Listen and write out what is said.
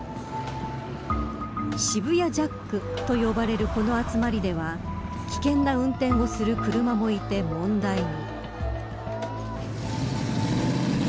渋谷ジャックと呼ばれるこの集まりでは危険な運転をする車もいて問題に。